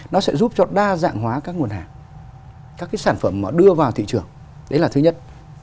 nó sẽ giúp cho đa dạng hóa các nguồn hàng các cái sản phẩm mà đưa vào thị trường đấy là thứ nhất